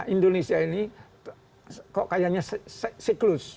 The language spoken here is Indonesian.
indonesia ini kok kayaknya siklus